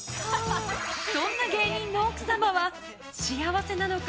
そんな芸人の奥様は幸せなのか？